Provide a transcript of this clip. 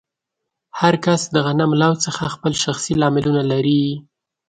هر کس د غنملو څخه خپل شخصي لاملونه لري.